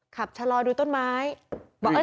ขับชะลอยดูต้นไม้